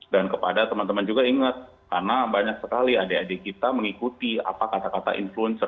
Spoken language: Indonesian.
dan kepada teman teman juga ingat karena banyak sekali adik adik kita mengikuti apa kata kata influencer